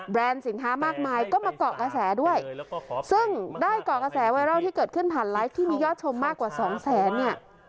สินค้ามากมายก็มาเกาะกระแสด้วยซึ่งได้เกาะกระแสไวรัลที่เกิดขึ้นผ่านไลฟ์ที่มียอดชมมากกว่าสองแสนเนี่ย